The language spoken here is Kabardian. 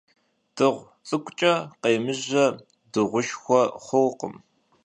Dığu ts'ık'uç'e khêmıje dığuşşxue xhurkhım.